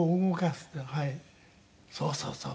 そうそうそう。